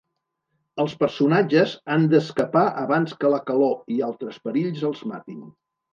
Els personatges han d'escapar abans que la calor i altres perills els matin.